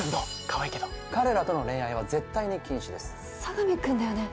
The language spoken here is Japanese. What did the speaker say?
かわいいけど・彼らとの恋愛は絶対に禁止です佐神くんだよね？